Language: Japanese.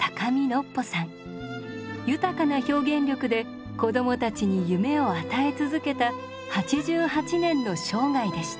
豊かな表現力で子供たちに夢を与え続けた８８年の生涯でした。